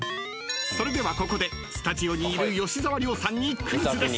［それではここでスタジオにいる吉沢亮さんにクイズです］